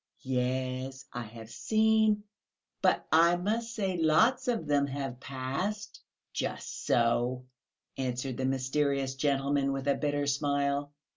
"Yes, I have seen ... but I must say lots of them have passed...." "Just so," answered the mysterious gentleman, with a bitter smile.